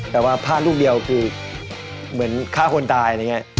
แต่ว่าภาพรูดเดียวคือเหมือนฆ่าคนตาย